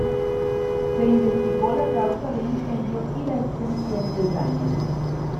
Se investigó la causa del incendio y la extensión del daño.